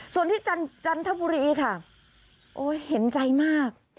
ส่วนที่จันทบุรีค่ะโอ้ยเห็นใจมาก